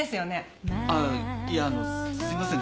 ああいやあのすいません